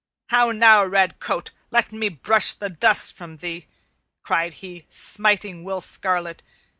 "How now, red coat, let me brush the dust from thee!" cried he, smiting Will Scarlet.